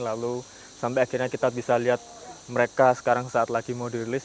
lalu sampai akhirnya kita bisa lihat mereka sekarang saat lagi mau dirilis